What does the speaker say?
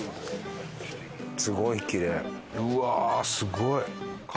うわーすごい！